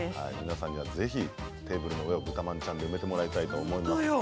皆さんには是非テーブルの上をぶたまんちゃんで埋めてもらいたいと思います。